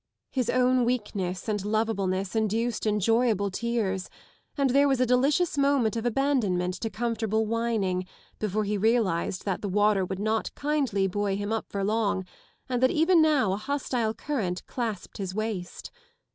His own weakness and loveableness induced enjoyable tears, and there was a delicious moment of abandonment to comfortable whining before he realised that the water would not kindly buoy him up for long, and that even now a hostile current clasped his waist.